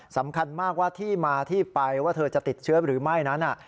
สำคัญมากว่าที่มาที่ไปว่าเธอจะติดเชื้อหรือไม่นั้น